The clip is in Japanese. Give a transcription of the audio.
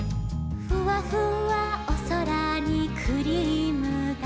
「ふわふわおそらにクリームだ」